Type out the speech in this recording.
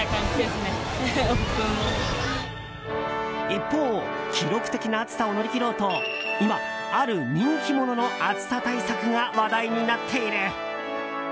一方、記録的な暑さを乗り切ろうと今、ある人気者の暑さ対策が話題になっている。